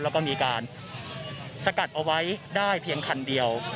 แล้วก็มีการสกัดเอาไว้ได้เพียงคันเดียว